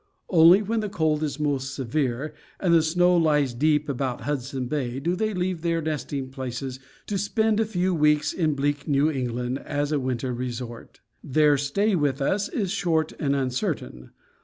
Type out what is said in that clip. Only when the cold is most severe, and the snow lies deep about Hudson Bay, do they leave their nesting places to spend a few weeks in bleak New England as a winter resort. Their stay with us is short and uncertain.